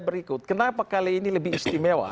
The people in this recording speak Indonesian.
berikut kenapa kali ini lebih istimewa